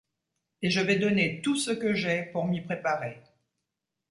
Et je vais donner tout ce que j'ai pour m'y préparer.